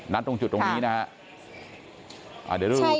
นั้นตรงจุดตรงนี้นะคะ